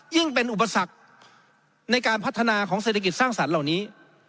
ยิ่งเป็นอุปสรรคในการพัฒนาของเศรษฐกิจสร้างสรรค์เหล่านี้